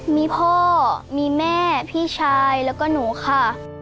มีพ่อมีแม่พี่ชายแล้วก็หนูค่ะ